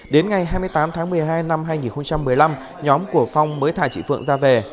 đến ngày hai mươi tám tháng một mươi hai năm hai nghìn một mươi năm nhóm của phong mới thả chị phượng ra về